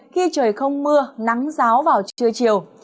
khi trời không mưa nắng ráo vào trưa chiều